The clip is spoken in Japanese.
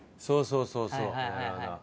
そうそうそうそう。